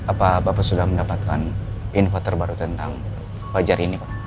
apa bapak sudah mendapatkan info terbaru tentang fajar ini pak